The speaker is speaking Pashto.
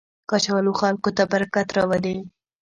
کچالو خلکو ته برکت راولي